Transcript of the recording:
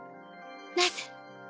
なぜ。